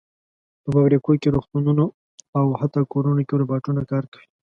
په فابریکو، روغتونونو او حتی کورونو کې روباټونه کار کوي.